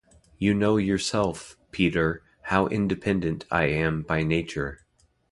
You know yourself, Peter, how independent I am by nature.